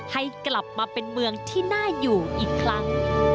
ให้กลับมาเป็นเมืองที่น่าอยู่อีกครั้ง